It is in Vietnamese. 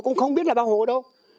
cũng không biết là bác hồ đâu